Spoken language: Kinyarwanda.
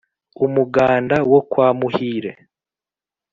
umuganda wo kwa muhire